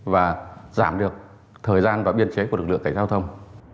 và giảm được thời gian và biên chế của lực lượng cảnh giao thông